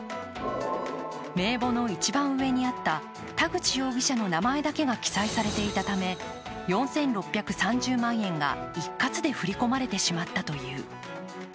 名簿の一番上にあった田口容疑者の名前だけが記載されていたため４６３０万円が一括で振り込まれてしまったという。